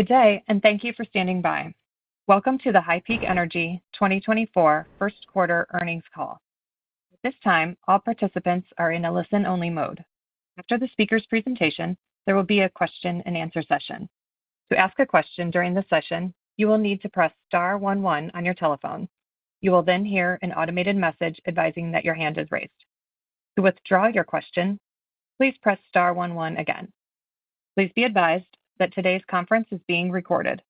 Good day, and thank you for standing by. Welcome to the HighPeak Energy 2024 Q1 Earnings Call. At this time, all participants are in a listen-only mode. After the speaker's presentation, there will be a question-and-answer session. To ask a question during the session, you will need to press star one one on your telephone. You will then hear an automated message advising that your hand is raised. To withdraw your question, please press star one one again. Please be advised that today's conference is being recorded.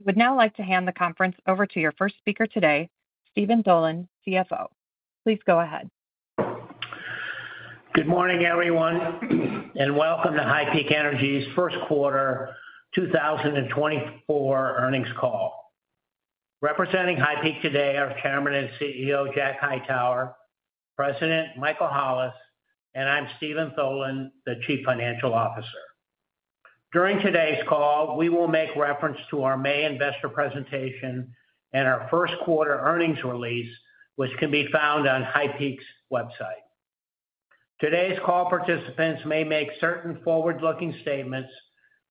We would now like to hand the conference over to your first speaker today, Steven Tholen, CFO. Please go ahead. Good morning, everyone, and welcome to HighPeak Energy's Q1 2024 earnings call. Representing HighPeak today are Chairman and CEO Jack Hightower, President Michael Hollis, and I'm Steven Tholen, the Chief Financial Officer. During today's call, we will make reference to our May investor presentation and our Q1 earnings release, which can be found on HighPeak's website. Today's call participants may make certain forward-looking statements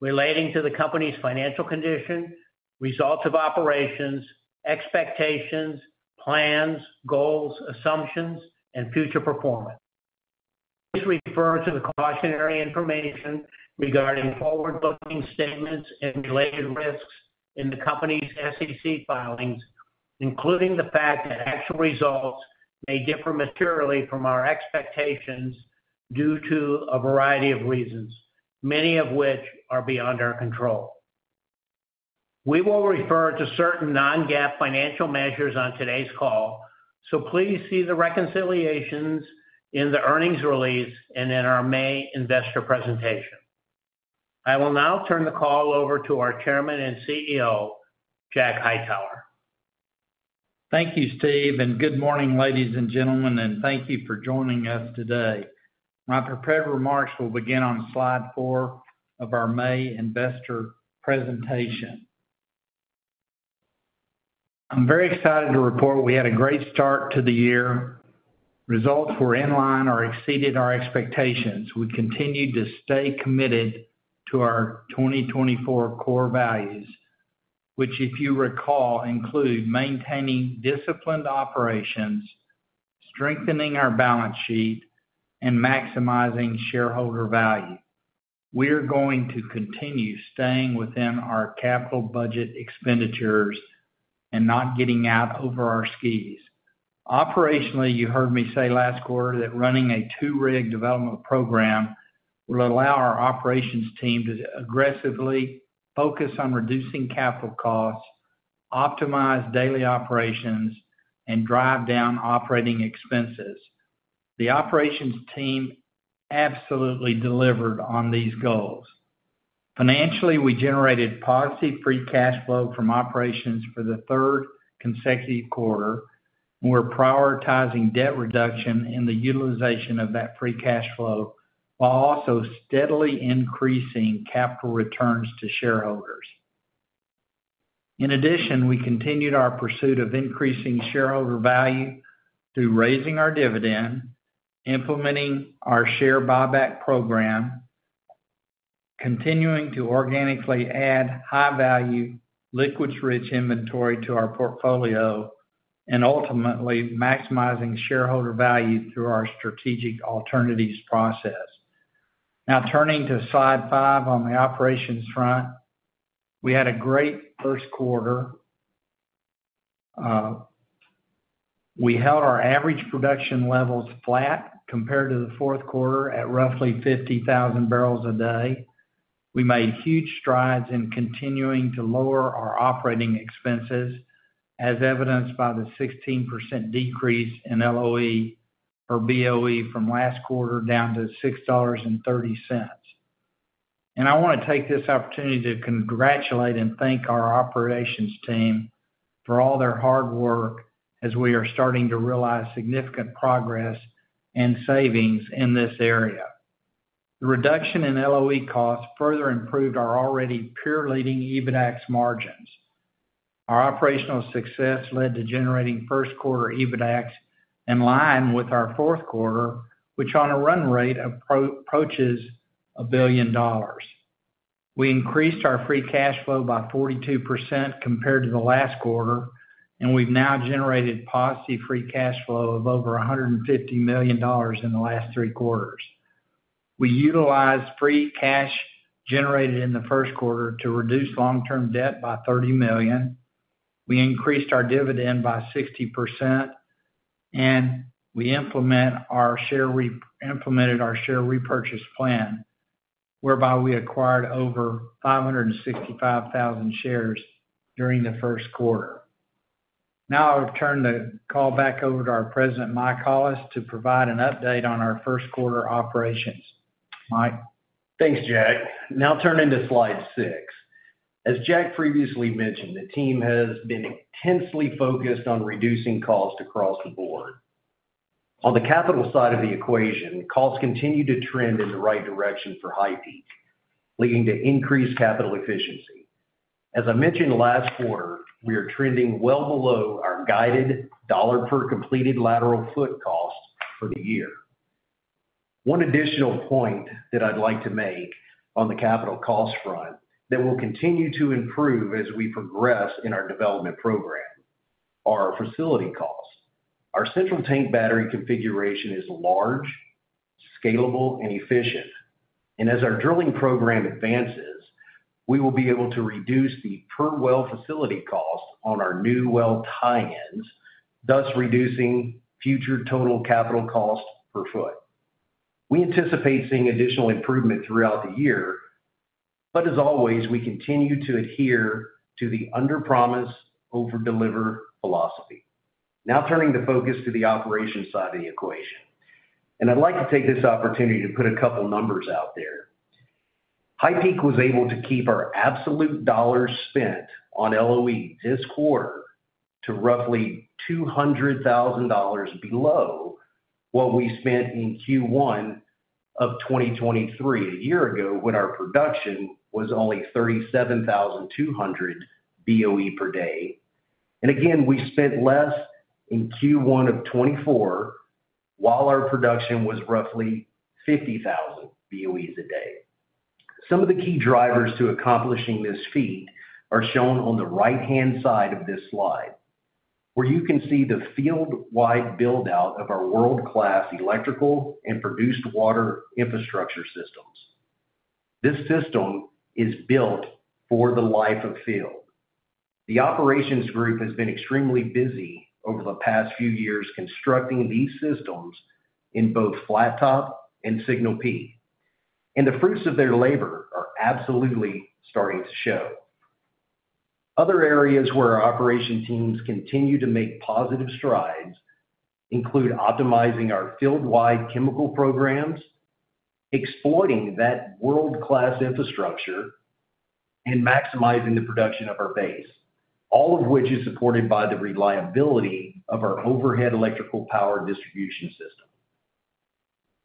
relating to the company's financial condition, results of operations, expectations, plans, goals, assumptions, and future performance. Please refer to the cautionary information regarding forward-looking statements and related risks in the company's SEC filings, including the fact that actual results may differ materially from our expectations due to a variety of reasons, many of which are beyond our control. We will refer to certain non-GAAP financial measures on today's call, so please see the reconciliations in the earnings release and in our May investor presentation. I will now turn the call over to our Chairman and CEO, Jack Hightower. Thank you, Steve, and good morning, ladies and gentlemen, and thank you for joining us today. My prepared remarks will begin on slide four of our May investor presentation. I'm very excited to report we had a great start to the year. Results were in line or exceeded our expectations. We continue to stay committed to our 2024 core values, which, if you recall, include maintaining disciplined operations, strengthening our balance sheet, and maximizing shareholder value. We are going to continue staying within our capital budget expenditures and not getting out over our skis. Operationally, you heard me say last quarter that running a two-rig development program will allow our operations team to aggressively focus on reducing capital costs, optimize daily operations, and drive down operating expenses. The operations team absolutely delivered on these goals. Financially, we generated positive free cash flow from operations for the third consecutive quarter, and we're prioritizing debt reduction and the utilization of that free cash flow while also steadily increasing capital returns to shareholders. In addition, we continued our pursuit of increasing shareholder value through raising our dividend, implementing our share buyback program, continuing to organically add high-value, liquids-rich inventory to our portfolio, and ultimately maximizing shareholder value through our strategic alternatives process. Now, turning to slide five on the operations front, we had a great Q1. We held our average production levels flat compared to the Q4 at roughly 50,000 barrels a day. We made huge strides in continuing to lower our operating expenses, as evidenced by the 16% decrease in LOE per BOE from last quarter down to $6.30. I want to take this opportunity to congratulate and thank our operations team for all their hard work as we are starting to realize significant progress and savings in this area. The reduction in LOE costs further improved our already peer-leading EBITDA margins. Our operational success led to generating Q1 EBITDA in line with our Q4, which on a run rate approaches $1 billion. We increased our free cash flow by 42% compared to the last quarter, and we've now generated positive free cash flow of over $150 million in the last three quarters. We utilized free cash generated in the Q1 to reduce long-term debt by $30 million. We increased our dividend by 60%, and we implemented our share repurchase plan, whereby we acquired over 565,000 shares during the Q1. Now I'll turn the call back over to our president, Mike Hollis, to provide an update on our Q1 operations. Mike. Thanks, Jack. Now turning to slide six. As Jack previously mentioned, the team has been intensely focused on reducing costs across the board. On the capital side of the equation, costs continue to trend in the right direction for HighPeak, leading to increased capital efficiency. As I mentioned last quarter, we are trending well below our guided dollar-per-completed lateral foot cost for the year. One additional point that I'd like to make on the capital cost front that will continue to improve as we progress in our development program are facility costs. Our central tank battery configuration is large, scalable, and efficient, and as our drilling program advances, we will be able to reduce the per-well facility cost on our new well tie-ins, thus reducing future total capital cost per foot. We anticipate seeing additional improvement throughout the year, but as always, we continue to adhere to the under-promise, over-deliver philosophy. Now turning the focus to the operations side of the equation, and I'd like to take this opportunity to put a couple numbers out there. HighPeak was able to keep our absolute dollars spent on LOE this quarter to roughly $200,000 below what we spent in Q1 of 2023, a year ago when our production was only 37,200 BOE per day. And again, we spent less in Q1 of 2024 while our production was roughly 50,000 BOEs a day. Some of the key drivers to accomplishing this feat are shown on the right-hand side of this slide, where you can see the field-wide buildout of our world-class electrical and produced water infrastructure systems. This system is built for the life of field. The operations group has been extremely busy over the past few years constructing these systems in both Flat Top and Signal Peak, and the fruits of their labor are absolutely starting to show. Other areas where our operation teams continue to make positive strides include optimizing our field-wide chemical programs, exploiting that world-class infrastructure, and maximizing the production of our base, all of which is supported by the reliability of our overhead electrical power distribution system.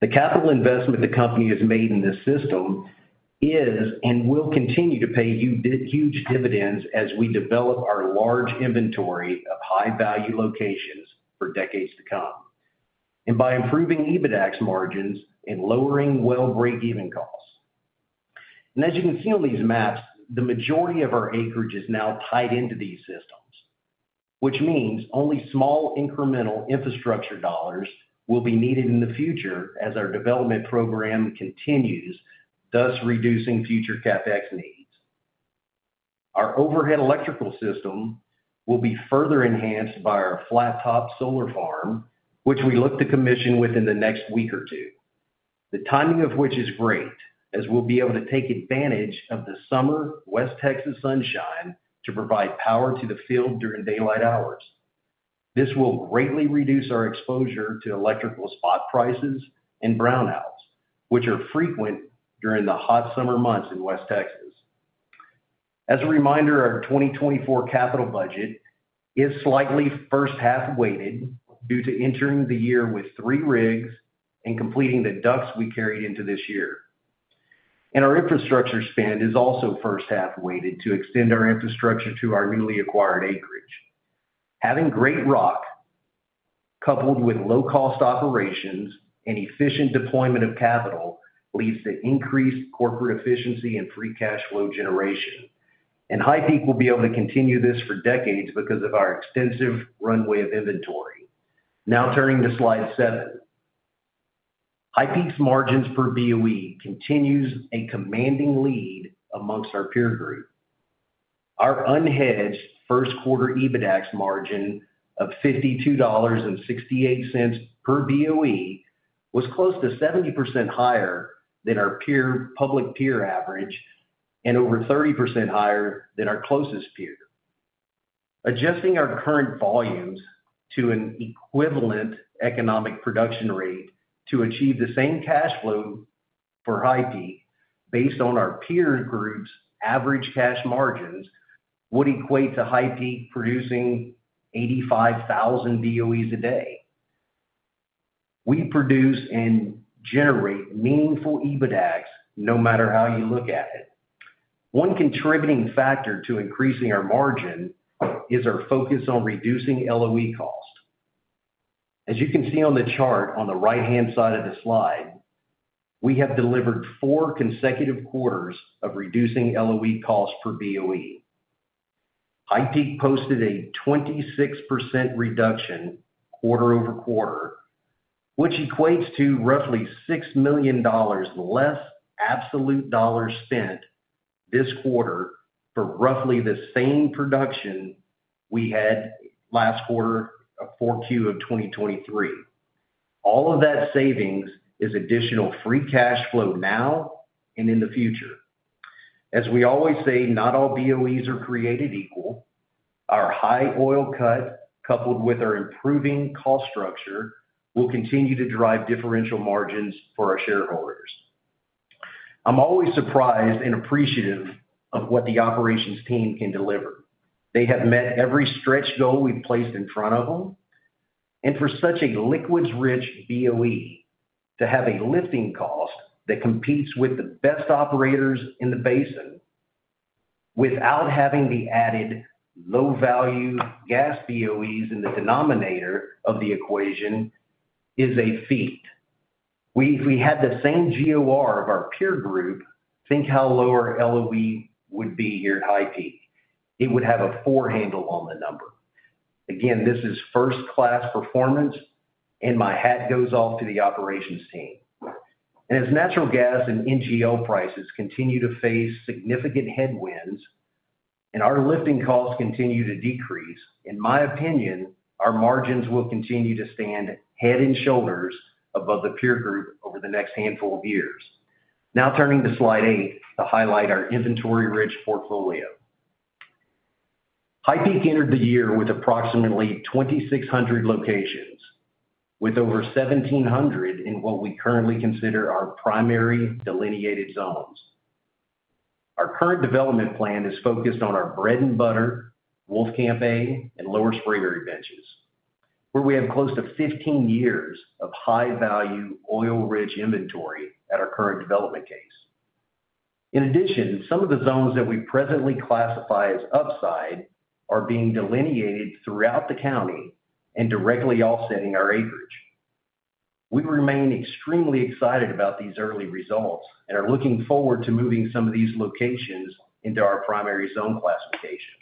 The capital investment the company has made in this system is and will continue to pay huge dividends as we develop our large inventory of high-value locations for decades to come and by improving EBITDA margins and lowering well break-even costs. As you can see on these maps, the majority of our acreage is now tied into these systems, which means only small incremental infrastructure dollars will be needed in the future as our development program continues, thus reducing future CapEx needs. Our overhead electrical system will be further enhanced by our Flat Top solar farm, which we look to commission within the next week or two, the timing of which is great as we'll be able to take advantage of the summer West Texas sunshine to provide power to the field during daylight hours. This will greatly reduce our exposure to electrical spot prices and brownouts, which are frequent during the hot summer months in West Texas. As a reminder, our 2024 capital budget is slightly first-half weighted due to entering the year with three rigs and completing the DUCs we carried into this year. Our infrastructure spend is also first-half weighted to extend our infrastructure to our newly acquired acreage. Having Great Rock coupled with low-cost operations and efficient deployment of capital leads to increased corporate efficiency and free cash flow generation, and HighPeak will be able to continue this for decades because of our extensive runway of inventory. Now turning to slide seven. HighPeak's margins per BOE continues a commanding lead amongst our peer group. Our unhedged Q1 EBITDA margin of $52.68 per BOE was close to 70% higher than our public peer average and over 30% higher than our closest peer. Adjusting our current volumes to an equivalent economic production rate to achieve the same cash flow for HighPeak based on our peer group's average cash margins would equate to HighPeak producing 85,000 BOEs a day. We produce and generate meaningful EBITDA no matter how you look at it. One contributing factor to increasing our margin is our focus on reducing LOE cost. As you can see on the chart on the right-hand side of the slide, we have delivered four consecutive quarters of reducing LOE costs per BOE. HighPeak posted a 26% reduction quarter-over-quarter, which equates to roughly $6 million less absolute dollars spent this quarter for roughly the same production we had last quarter, 4Q of 2023. All of that savings is additional free cash flow now and in the future. As we always say, not all BOEs are created equal. Our high oil cut coupled with our improving cost structure will continue to drive differential margins for our shareholders. I'm always surprised and appreciative of what the operations team can deliver. They have met every stretch goal we've placed in front of them, and for such a liquids-rich BOE to have a lifting cost that competes with the best operators in the basin without having the added low-value gas BOEs in the denominator of the equation is a feat. If we had the same GOR of our peer group, think how lower LOE would be here at HighPeak. It would have a four handle on the number. Again, this is first-class performance, and my hat goes off to the operations team. And as natural gas and NGL prices continue to face significant headwinds and our lifting costs continue to decrease, in my opinion, our margins will continue to stand head and shoulders above the peer group over the next handful of years. Now turning to slide eight to highlight our inventory-rich portfolio. HighPeak entered the year with approximately 2,600 locations, with over 1,700 in what we currently consider our primary delineated zones. Our current development plan is focused on our bread and butter, Wolfcamp A, and Lower Spraberry benches, where we have close to 15 years of high-value, oil-rich inventory at our current development case. In addition, some of the zones that we presently classify as upside are being delineated throughout the county and directly offsetting our acreage. We remain extremely excited about these early results and are looking forward to moving some of these locations into our primary zone classification.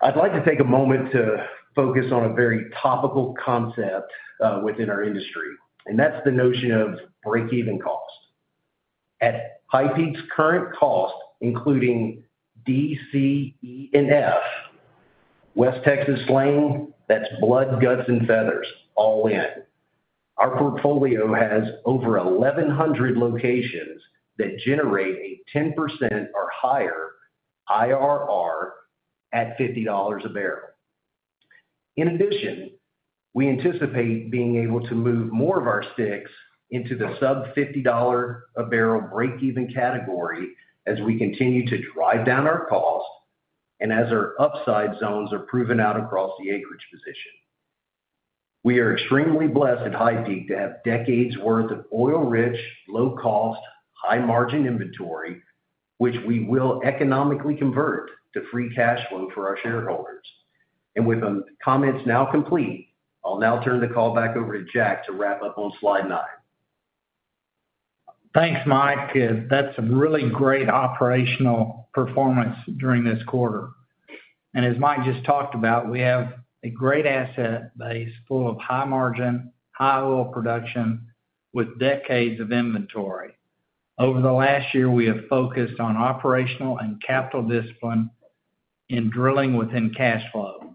I'd like to take a moment to focus on a very topical concept within our industry, and that's the notion of break-even cost. At HighPeak's current cost, including D,C,E&F, West Texas slang, that's blood, guts, and feathers, all in, our portfolio has over 1,100 locations that generate a 10% or higher IRR at $50 a barrel. In addition, we anticipate being able to move more of our sticks into the sub-$50 a barrel break-even category as we continue to drive down our cost and as our upside zones are proven out across the acreage position. We are extremely blessed at HighPeak to have decades' worth of oil-rich, low-cost, high-margin inventory, which we will economically convert to free cash flow for our shareholders. And with comments now complete, I'll now turn the call back over to Jack to wrap up on slide nine. Thanks, Mike. That's a really great operational performance during this quarter. As Mike just talked about, we have a great asset base full of high-margin, high oil production with decades of inventory. Over the last year, we have focused on operational and capital discipline in drilling within cash flow.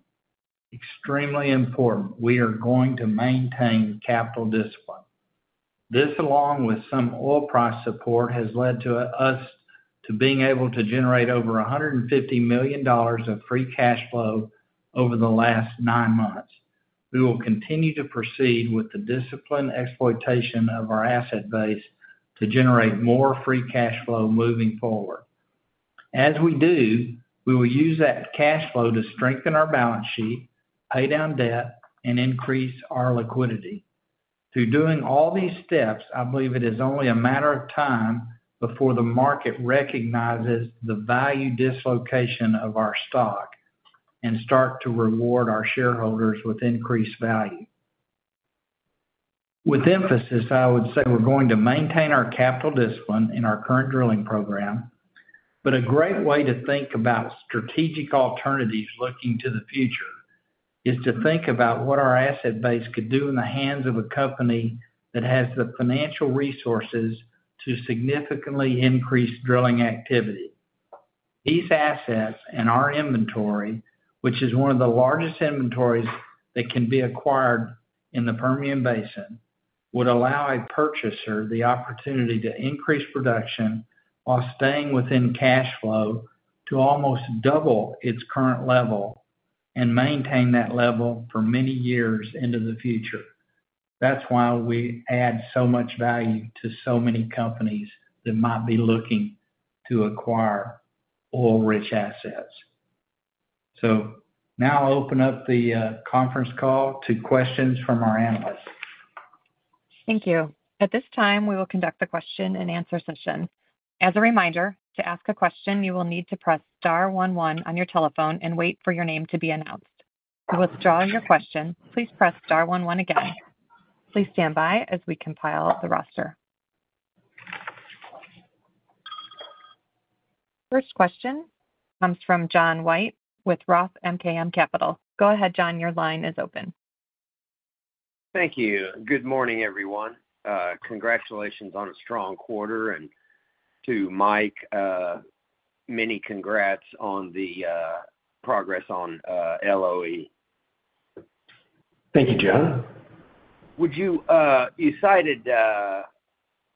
Extremely important, we are going to maintain capital discipline. This, along with some oil price support, has led to us being able to generate over $150 million of free cash flow over the last nine months. We will continue to proceed with the disciplined exploitation of our asset base to generate more free cash flow moving forward. As we do, we will use that cash flow to strengthen our balance sheet, pay down debt, and increase our liquidity. Through doing all these steps, I believe it is only a matter of time before the market recognizes the value dislocation of our stock and starts to reward our shareholders with increased value. With emphasis, I would say we're going to maintain our capital discipline in our current drilling program, but a great way to think about strategic alternatives looking to the future is to think about what our asset base could do in the hands of a company that has the financial resources to significantly increase drilling activity. These assets and our inventory, which is one of the largest inventories that can be acquired in the Permian Basin, would allow a purchaser the opportunity to increase production while staying within cash flow to almost double its current level and maintain that level for many years into the future. That's why we add so much value to so many companies that might be looking to acquire oil-rich assets. So now open up the conference call to questions from our analysts. Thank you. At this time, we will conduct the question-and-answer session. As a reminder, to ask a question, you will need to press star one one on your telephone and wait for your name to be announced. To withdraw your question, please press star one one again. Please stand by as we compile the roster. First question comes from John White with Roth MKM. Go ahead, John. Your line is open. Thank you. Good morning, everyone. Congratulations on a strong quarter. To Mike, many congrats on the progress on LOE. Thank you, John. You cited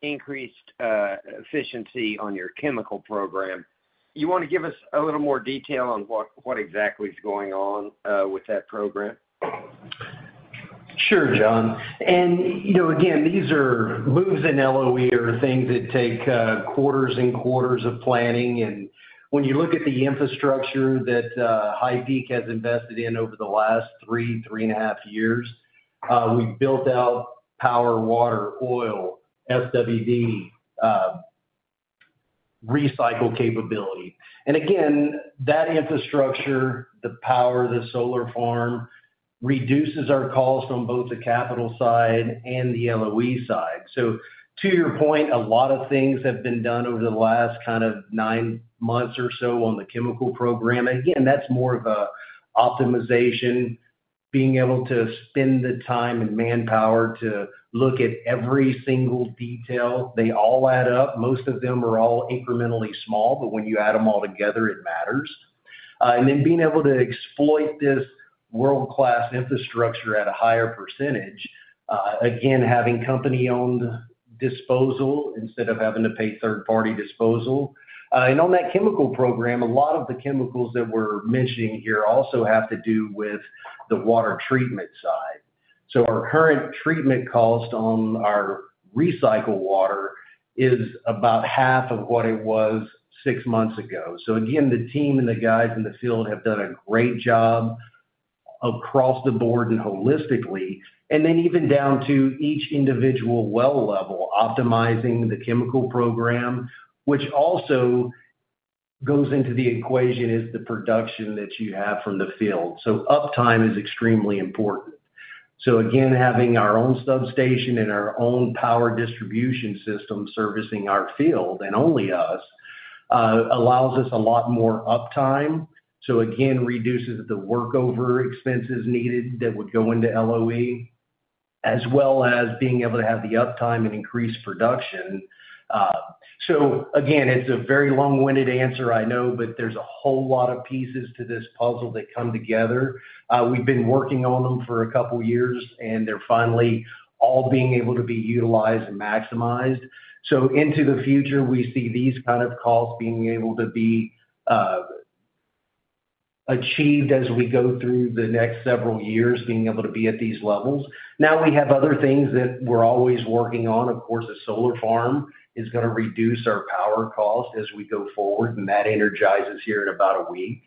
increased efficiency on your chemical program. You want to give us a little more detail on what exactly is going on with that program? Sure, John. And again, these are moves in LOE or things that take quarters and quarters of planning. And when you look at the infrastructure that HighPeak has invested in over the last 3, 3.5 years, we've built out power, water, oil, SWD, recycle capability. And again, that infrastructure, the power, the solar farm, reduces our costs on both the capital side and the LOE side. So to your point, a lot of things have been done over the last kind of 9 months or so on the chemical program. And again, that's more of an optimization, being able to spend the time and manpower to look at every single detail. They all add up. Most of them are all incrementally small, but when you add them all together, it matters. And then being able to exploit this world-class infrastructure at a higher percentage, again, having company-owned disposal instead of having to pay third-party disposal. On that chemical program, a lot of the chemicals that we're mentioning here also have to do with the water treatment side. So our current treatment cost on our recycle water is about half of what it was six months ago. So again, the team and the guys in the field have done a great job across the board and holistically, and then even down to each individual well level, optimizing the chemical program, which also goes into the equation, is the production that you have from the field. So uptime is extremely important. So again, having our own substation and our own power distribution system servicing our field and only us allows us a lot more uptime. So again, reduces the workover expenses needed that would go into LOE, as well as being able to have the uptime and increase production. So again, it's a very long-winded answer, I know, but there's a whole lot of pieces to this puzzle that come together. We've been working on them for a couple of years, and they're finally all being able to be utilized and maximized. So into the future, we see these kind of costs being able to be achieved as we go through the next several years, being able to be at these levels. Now, we have other things that we're always working on. Of course, a solar farm is going to reduce our power cost as we go forward, and that energizes here in about a week.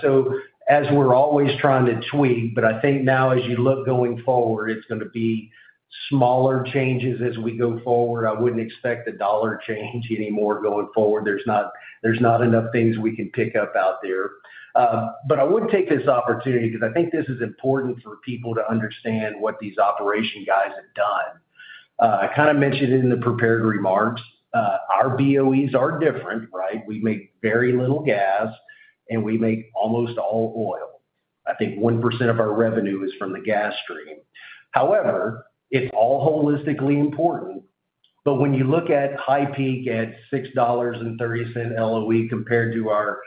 So as we're always trying to tweak, but I think now as you look going forward, it's going to be smaller changes as we go forward. I wouldn't expect the dollar change anymore going forward. There's not enough things we can pick up out there. But I would take this opportunity because I think this is important for people to understand what these operation guys have done. I kind of mentioned it in the prepared remarks. Our BOEs are different, right? We make very little gas, and we make almost all oil. I think 1% of our revenue is from the gas stream. However, it's all holistically important. But when you look at HighPeak at $6.30 LOE compared to our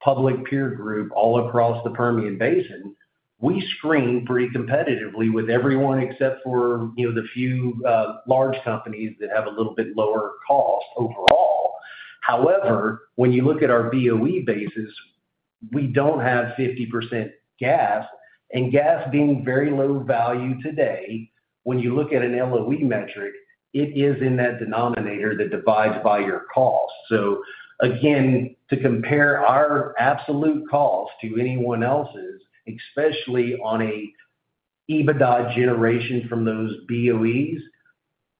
public peer group all across the Permian Basin, we screen pretty competitively with everyone except for the few large companies that have a little bit lower cost overall. However, when you look at our BOE bases, we don't have 50% gas. Gas being very low value today, when you look at an LOE metric, it is in that denominator that divides by your cost. So again, to compare our absolute cost to anyone else's, especially on an EBITDA generation from those BOEs,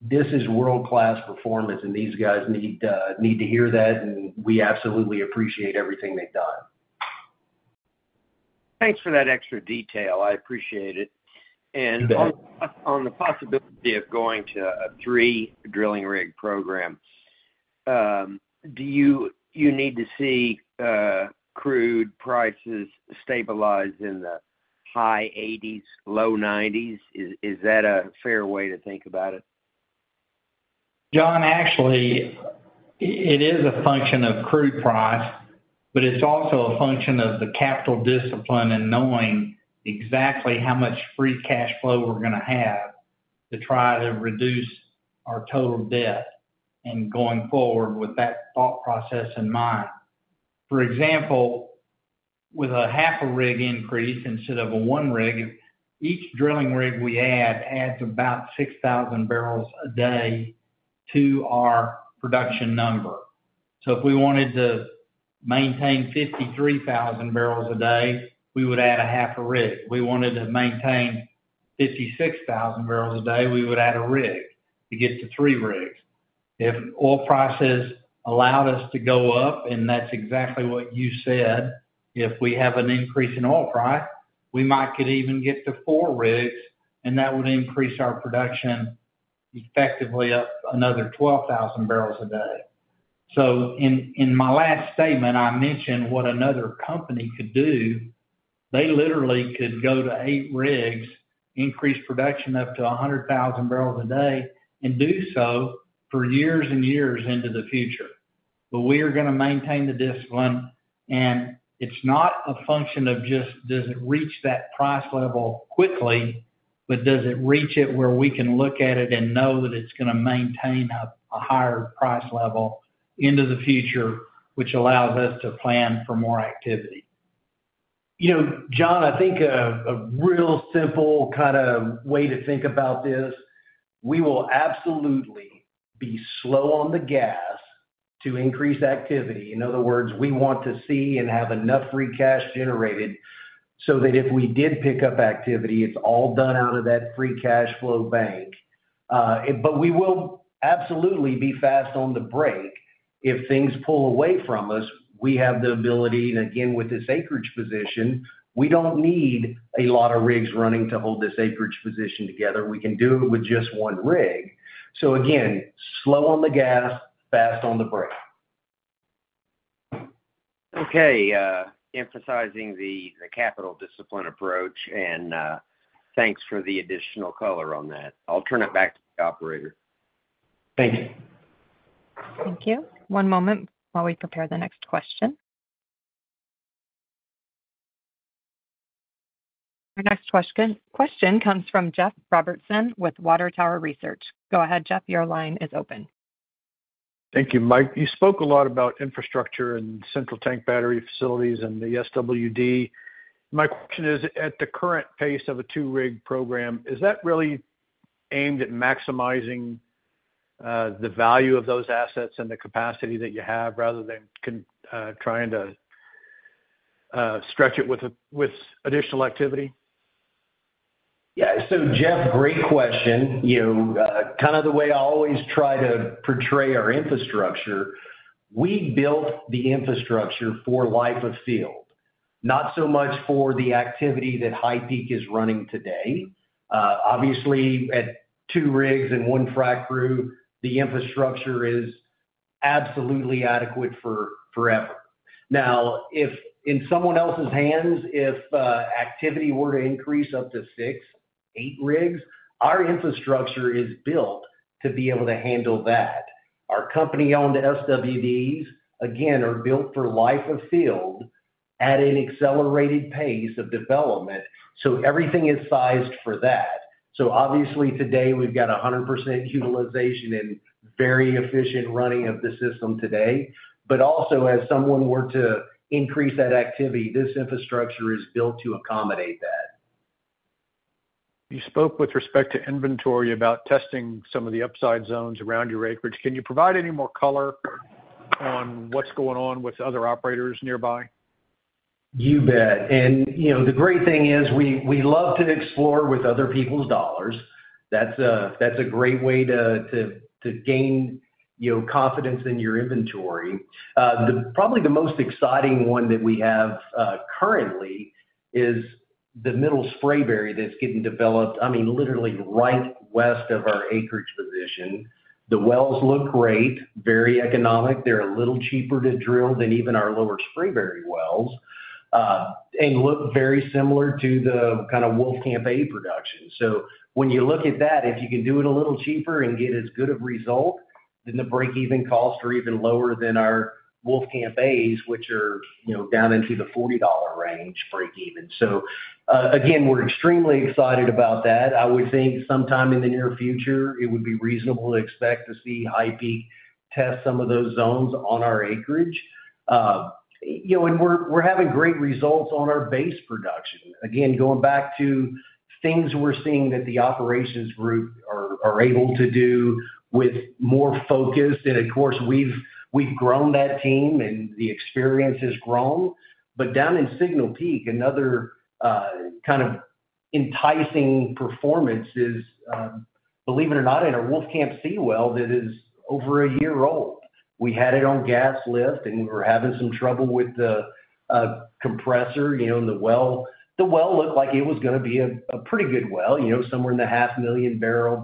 this is world-class performance, and these guys need to hear that, and we absolutely appreciate everything they've done. Thanks for that extra detail. I appreciate it. On the possibility of going to a 3-drilling rig program, do you need to see crude prices stabilize in the high 80s, low 90s? Is that a fair way to think about it? John, actually, it is a function of crude price, but it's also a function of the capital discipline and knowing exactly how much free cash flow we're going to have to try to reduce our total debt and going forward with that thought process in mind. For example, with a half-a-rig increase instead of a 1-rig, each drilling rig we add adds about 6,000 barrels a day to our production number. So if we wanted to maintain 53,000 barrels a day, we would add a half-a-rig. We wanted to maintain 56,000 barrels a day, we would add a rig to get to 3 rigs. If oil prices allowed us to go up, and that's exactly what you said, if we have an increase in oil price, we might could even get to 4 rigs, and that would increase our production effectively up another 12,000 barrels a day. So in my last statement, I mentioned what another company could do. They literally could go to 8 rigs, increase production up to 100,000 barrels a day, and do so for years and years into the future. But we are going to maintain the discipline, and it's not a function of just, "Does it reach that price level quickly?" but, "Does it reach it where we can look at it and know that it's going to maintain a higher price level into the future, which allows us to plan for more activity?" John, I think a real simple kind of way to think about this, we will absolutely be slow on the gas to increase activity. In other words, we want to see and have enough free cash generated so that if we did pick up activity, it's all done out of that free cash flow bank. But we will absolutely be fast on the brake. If things pull away from us, we have the ability and again, with this acreage position, we don't need a lot of rigs running to hold this acreage position together. We can do it with just one rig. So again, slow on the gas, fast on the brake. Okay. Emphasizing the capital discipline approach, and thanks for the additional color on that. I'll turn it back to the operator. Thank you. Thank you. One moment while we prepare the next question. Our next question comes from Jeff Robertson with Water Tower Research. Go ahead, Jeff. Your line is open. Thank you, Mike. You spoke a lot about infrastructure and central tank battery facilities and the SWD. My question is, at the current pace of a 2-rig program, is that really aimed at maximizing the value of those assets and the capacity that you have rather than trying to stretch it with additional activity? Yeah. So Jeff, great question. Kind of the way I always try to portray our infrastructure, we built the infrastructure for life of field, not so much for the activity that HighPeak is running today. Obviously, at 2 rigs and 1 frac crew, the infrastructure is absolutely adequate for forever. Now, in someone else's hands, if activity were to increase up to 6, 8 rigs, our infrastructure is built to be able to handle that. Our company-owned SWDs, again, are built for life of field at an accelerated pace of development, so everything is sized for that. So obviously, today, we've got 100% utilization and very efficient running of the system today. But also, as someone were to increase that activity, this infrastructure is built to accommodate that. You spoke with respect to inventory about testing some of the upside zones around your acreage. Can you provide any more color on what's going on with other operators nearby? You bet. The great thing is, we love to explore with other people's dollars. That's a great way to gain confidence in your inventory. Probably the most exciting one that we have currently is the Middle Spraberry that's getting developed, I mean, literally right west of our acreage position. The wells look great, very economic. They're a little cheaper to drill than even our Lower Spraberry wells and look very similar to the kind of Wolfcamp A production. When you look at that, if you can do it a little cheaper and get as good of results, then the breakeven costs are even lower than our Wolfcamp A's, which are down into the $40 range breakeven. Again, we're extremely excited about that. I would think sometime in the near future, it would be reasonable to expect to see HighPeak test some of those zones on our acreage. And we're having great results on our base production. Again, going back to things we're seeing that the operations group are able to do with more focus and of course, we've grown that team, and the experience has grown. But down in Signal Peak, another kind of enticing performance is, believe it or not, in our Wolfcamp C well that is over a year old. We had it on gas lift, and we were having some trouble with the compressor in the well. The well looked like it was going to be a pretty good well, somewhere in the 500,000-barrel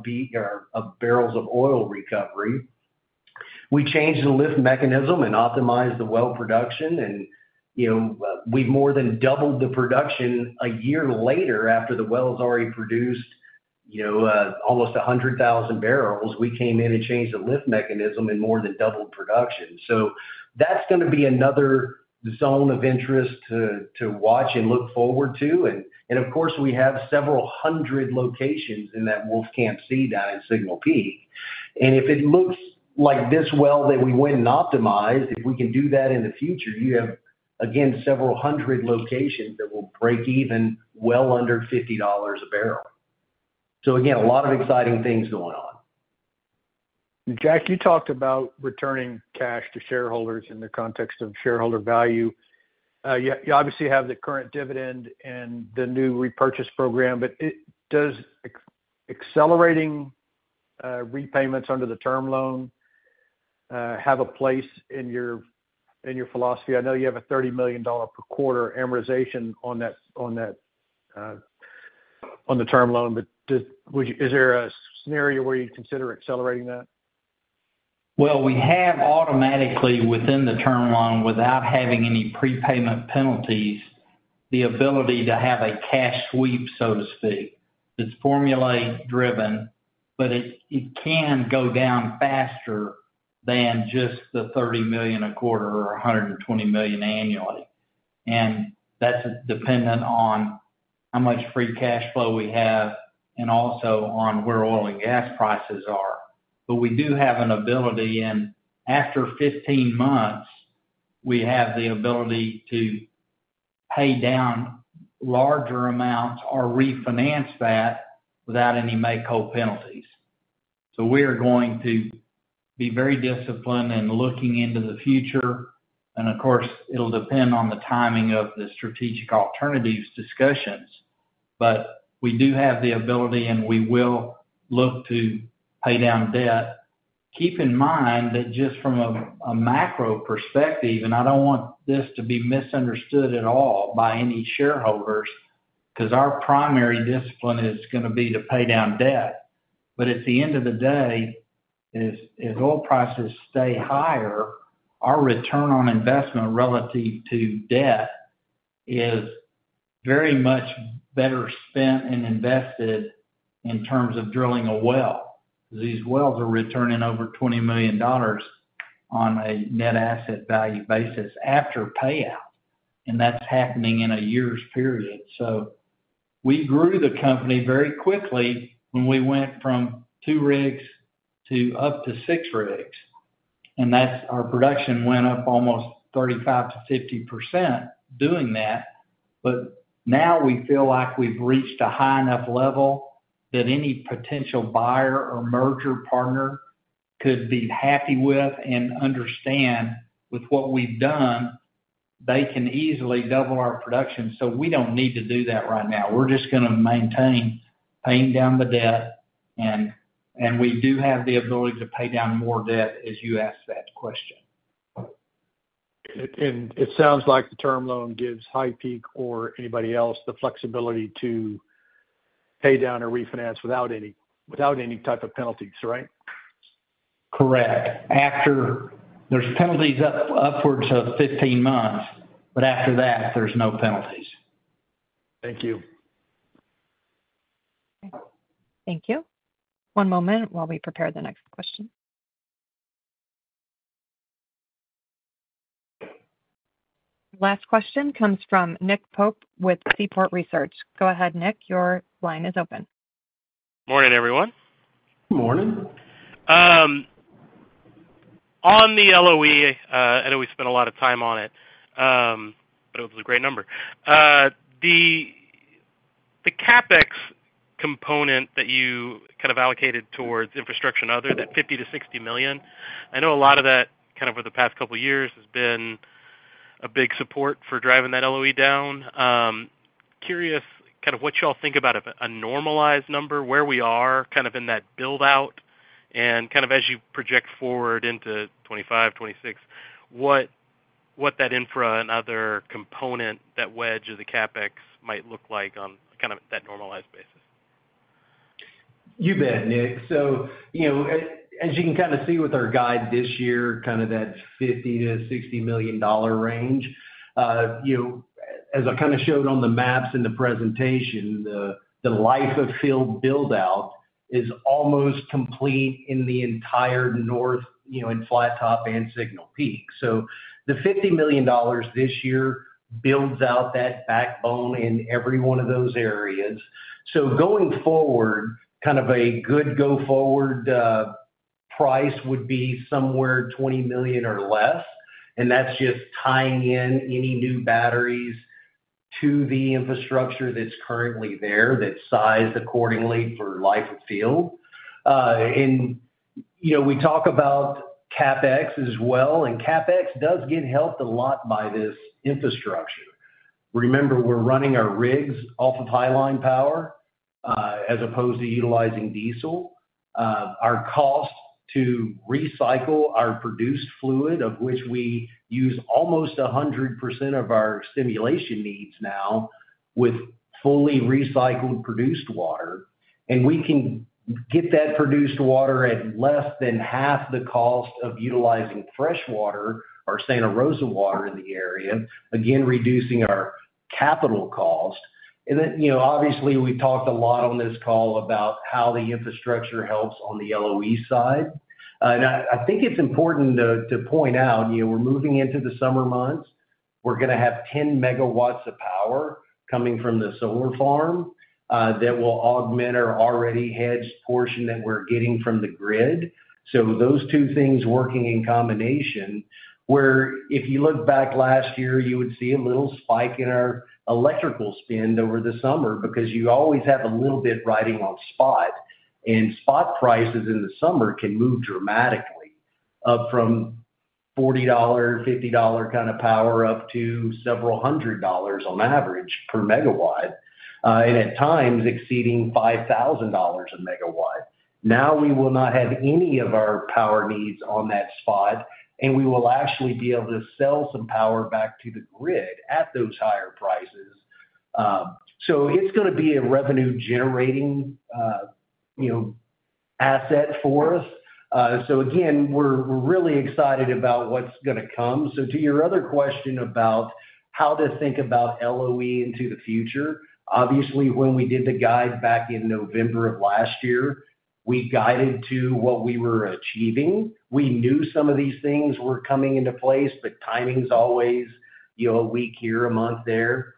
of oil recovery. We changed the lift mechanism and optimized the well production, and we've more than doubled the production a year later after the well has already produced almost 100,000 barrels. We came in and changed the lift mechanism and more than doubled production. That's going to be another zone of interest to watch and look forward to. Of course, we have several hundred locations in that Wolfcamp C down in Signal Peak. If it looks like this well that we went and optimized, if we can do that in the future, you have, again, several hundred locations that will break even well under $50 a barrel. Again, a lot of exciting things going on. Jack, you talked about returning cash to shareholders in the context of shareholder value. You obviously have the current dividend and the new repurchase program, but does accelerating repayments under the term loan have a place in your philosophy? I know you have a $30 million per quarter amortization on the term loan, but is there a scenario where you consider accelerating that? Well, we have automatically within the term loan, without having any prepayment penalties, the ability to have a cash sweep, so to speak. It's formulas-driven, but it can go down faster than just the $30 million a quarter or $120 million annually. And that's dependent on how much free cash flow we have and also on where oil and gas prices are. But we do have an ability and after 15 months, we have the ability to pay down larger amounts or refinance that without any make-whole call penalties. So we are going to be very disciplined and looking into the future. And of course, it'll depend on the timing of the strategic alternatives discussions, but we do have the ability and we will look to pay down debt. Keep in mind that just from a macro perspective, and I don't want this to be misunderstood at all by any shareholders because our primary discipline is going to be to pay down debt. But at the end of the day, as oil prices stay higher, our return on investment relative to debt is very much better spent and invested in terms of drilling a well because these wells are returning over $20 million on a net asset value basis after payout, and that's happening in a year's period. So we grew the company very quickly when we went from two rigs to up to six rigs, and our production went up almost 35%-50% doing that. But now we feel like we've reached a high enough level that any potential buyer or merger partner could be happy with and understand with what we've done. They can easily double our production. So we don't need to do that right now. We're just going to maintain paying down the debt, and we do have the ability to pay down more debt as you asked that question. It sounds like the term loan gives HighPeak or anybody else the flexibility to pay down or refinance without any type of penalties, right? Correct. There's penalties upwards of 15 months, but after that, there's no penalties. Thank you. Thank you. One moment while we prepare the next question. Last question comes from Nick Pope with Seaport Research. Go ahead, Nick. Your line is open. Morning, everyone. Morning. On the LOE, I know we spent a lot of time on it, but it was a great number. The CapEx component that you kind of allocated towards infrastructure and other, that $50 million-$60 million, I know a lot of that kind of over the past couple of years has been a big support for driving that LOE down. Curious kind of what y'all think about a normalized number, where we are kind of in that buildout, and kind of as you project forward into 2025, 2026, what that infra and other component, that wedge of the CapEx might look like on kind of that normalized basis. You bet, Nick. So as you can kind of see with our guide this year, kind of that $50 million-$60 million range, as I kind of showed on the maps in the presentation, the life of field buildout is almost complete in the entire north in Flat Top and Signal Peak. So the $50 million this year builds out that backbone in every one of those areas. So going forward, kind of a good go-forward price would be somewhere $20 million or less, and that's just tying in any new batteries to the infrastructure that's currently there that's sized accordingly for life of field. And we talk about CapEx as well, and CapEx does get helped a lot by this infrastructure. Remember, we're running our rigs off of high line power as opposed to utilizing diesel. Our cost to recycle our produced fluid, of which we use almost 100% of our stimulation needs now with fully recycled produced water. We can get that produced water at less than half the cost of utilizing freshwater or Santa Rosa water in the area, again, reducing our capital cost. Then obviously, we talked a lot on this call about how the infrastructure helps on the LOE side. I think it's important to point out, we're moving into the summer months. We're going to have 10 megawatts of power coming from the solar farm that will augment our already hedged portion that we're getting from the grid. So those two things working in combination where if you look back last year, you would see a little spike in our electrical spend over the summer because you always have a little bit riding on spot. Spot prices in the summer can move dramatically up from $40, $50 kind of power up to several hundred dollars on average per megawatt, and at times exceeding $5,000 a megawatt. Now we will not have any of our power needs on that spot, and we will actually be able to sell some power back to the grid at those higher prices. It's going to be a revenue-generating asset for us. Again, we're really excited about what's going to come. To your other question about how to think about LOE into the future, obviously, when we did the guide back in November of last year, we guided to what we were achieving. We knew some of these things were coming into place, but timing's always a week here, a month there.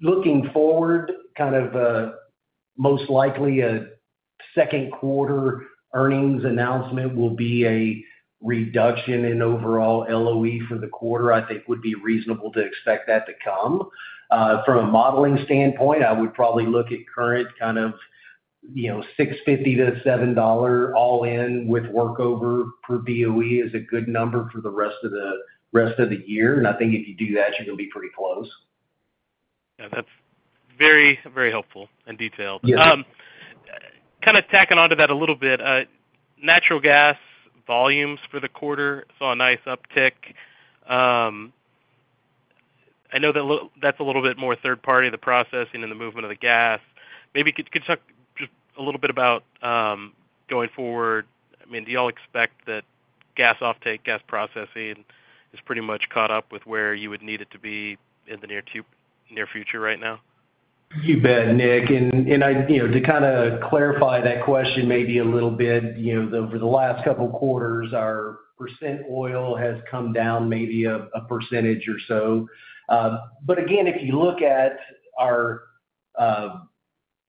Looking forward, kind of most likely a Q2 earnings announcement will be a reduction in overall LOE for the quarter. I think would be reasonable to expect that to come. From a modeling standpoint, I would probably look at current kind of $6.50-$7 all-in with workover per BOE is a good number for the rest of the year. And I think if you do that, you're going to be pretty close. Yeah, that's very, very helpful and detailed. Kind of tacking onto that a little bit, natural gas volumes for the quarter saw a nice uptick. I know that that's a little bit more third-party, the processing and the movement of the gas. Maybe could you talk just a little bit about going forward? I mean, do y'all expect that gas offtake, gas processing is pretty much caught up with where you would need it to be in the near future right now? You bet, Nick. And to kind of clarify that question maybe a little bit, over the last couple of quarters, our % oil has come down maybe a percentage or so. But again, if you look at our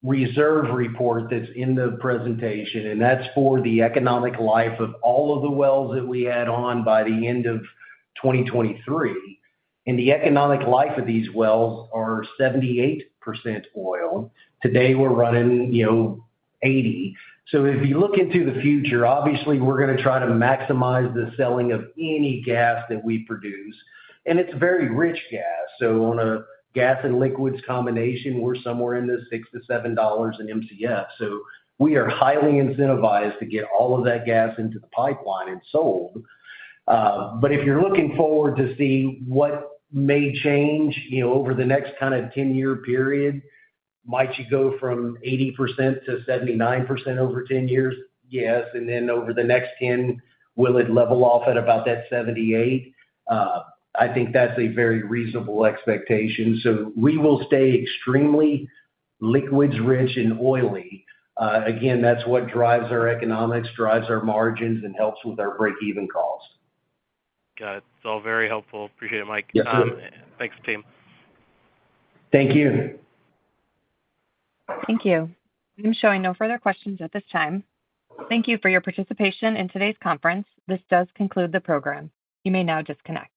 reserve report that's in the presentation, and that's for the economic life of all of the wells that we had on by the end of 2023, and the economic life of these wells are 78% oil. Today, we're running 80%. So if you look into the future, obviously, we're going to try to maximize the selling of any gas that we produce. And it's very rich gas. So on a gas and liquids combination, we're somewhere in the $6-$7 in MCF. So we are highly incentivized to get all of that gas into the pipeline and sold. But if you're looking forward to see what may change over the next kind of 10-year period, might you go from 80% to 79% over 10 years? Yes. And then over the next 10, will it level off at about that 78%? I think that's a very reasonable expectation. So we will stay extremely liquids-rich and oily. Again, that's what drives our economics, drives our margins, and helps with our break-even cost. Got it. It's all very helpful. Appreciate it, Mike. Thanks, team. Thank you. Thank you. I'm showing no further questions at this time. Thank you for your participation in today's conference. This does conclude the program. You may now disconnect.